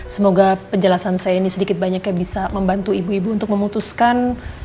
semoga penjelasan saya ini sedikit banyak yang bisa membantu ibu ibu untuk memutuskan